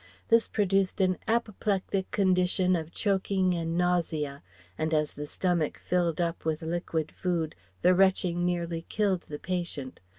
This produced an apoplectic condition of choking and nausea, and as the stomach filled up with liquid food the retching nearly killed the patient.